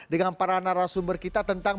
dengan para narasumber kita tentang